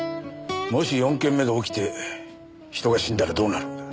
もし４件目が起きて人が死んだらどうなる？